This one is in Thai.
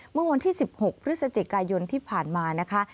เมื่อวันที่๑๖พฤศจิกายนที่ผ่านมานะคะ